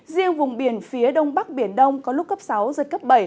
riêng vùng biển phía đông bắc biển đông có lúc cấp sáu giật cấp bảy